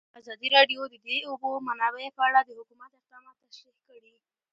ازادي راډیو د د اوبو منابع په اړه د حکومت اقدامات تشریح کړي.